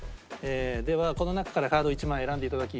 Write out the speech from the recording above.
ではこの中からカードを１枚選んでいただきます。